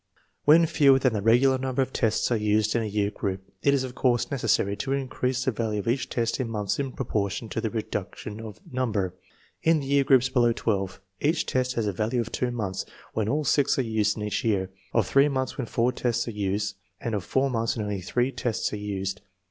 When fewer than the regular number of tests are used in a year group it is of course necessary to increase the value of each test in months in proportion to the reduction of number. In the year groups below 1& ? each test has a value of months when all six are used in each year, of 3 months when four tests are used, and of 4 months when only three tests are used.